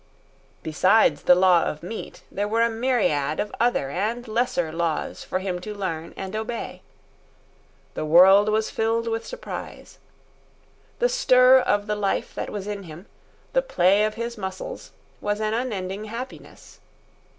Besides the law of meat, there were a myriad other and lesser laws for him to learn and obey. The world was filled with surprise. The stir of the life that was in him, the play of his muscles, was an unending happiness.